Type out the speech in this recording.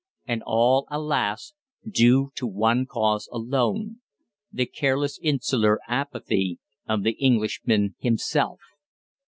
And all, alas! due to one cause alone the careless insular apathy of the Englishman himself!